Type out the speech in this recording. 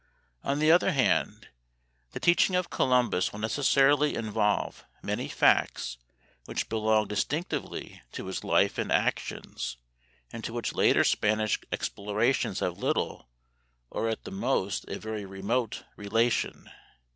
On the other hand, the teaching of Columbus will necessarily involve many facts which belong distinctively to his life and actions, and to which later Spanish explorations have little, or at the most a very remote relation.